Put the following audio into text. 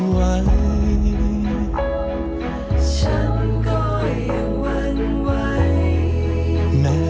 วันฉันก็ยังหวั่นไหว